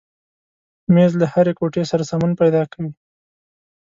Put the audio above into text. مېز له هرې کوټې سره سمون پیدا کوي.